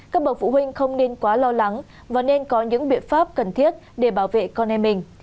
các bậc phụ huynh không nên quá lo lắng và nên có những biện pháp cần thiết để bảo vệ con em mình